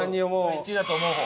１位だと思う方。